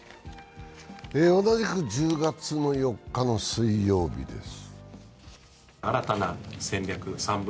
同じく１０月の４日の水曜日です。